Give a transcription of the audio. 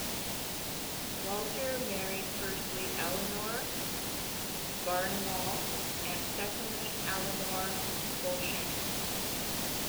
Walter married firstly Eleanor Barnewall and secondly Eleanor Beauchamp.